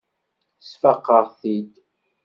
Sfaqeɣ-t-id.